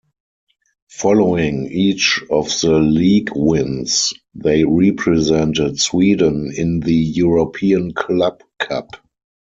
Following each of the league wins, they represented Sweden in the European Club Cup.